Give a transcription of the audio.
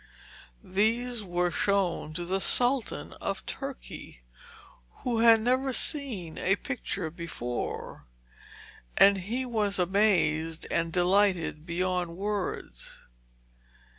These were shown to the Sultan of Turkey, who had never seen a picture before, and he was amazed and delighted beyond words.